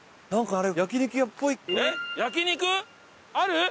ある？